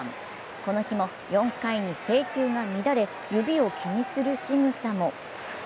この日も４回に制球が乱れ指を気にするしぐさも。